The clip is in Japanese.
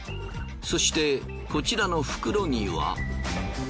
そしてこちらの袋には。